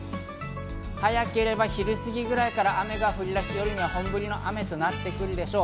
早ければ昼過ぎぐらいから雨が降り出し、夜から本降りの雨となってくるでしょう。